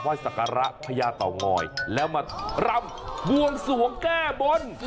พระพญาเต๋างอยแล้วมารำบวนสวงแก้บน